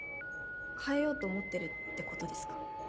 変えようと思ってるってことですか？